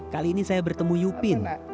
kali ini saya bertemu yupin